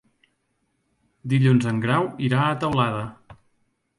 Dilluns en Grau irà a Teulada.